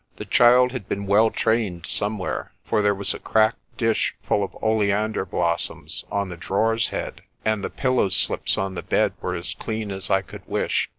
The child had been well trained somewhere, for there was a cracked dish full of oleander blossoms on the drawers' head, and the pillow slips on the bed were as clean as I could wish.